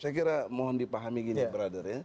saya kira mohon dipahami gini brother ya